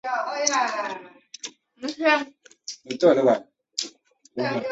圆形鳞斑蟹为扇蟹科鳞斑蟹属的动物。